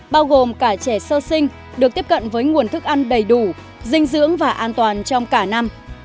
bao gồm cả trẻ sơ sinh được tiếp cận với nguồn thức ăn đầy đủ dinh dưỡng và an toàn trong cả năm